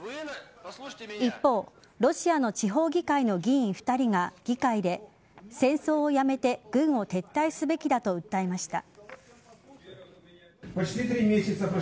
一方ロシアの地方議会の議員２人が議会で戦争をやめて軍を撤退すべきだと訴えました。